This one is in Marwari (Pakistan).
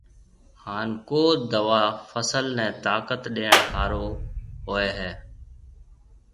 هانَ ڪو دوا فصل نَي طاقت ڏيڻ هارون هوئي هيَ۔